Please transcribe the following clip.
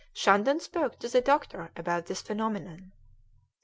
Shandon spoke to the doctor about this phenomenon.